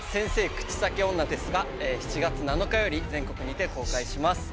口裂け女です！」が７月７日より全国にて公開します。